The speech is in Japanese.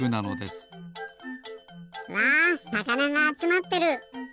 うわさかながあつまってる。